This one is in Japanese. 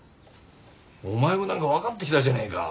お前も何か分かってきたじゃねえか。